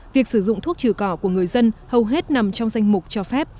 việc sử dụng thuốc trừ cỏ của người dân hầu hết nằm trong danh mục cho phép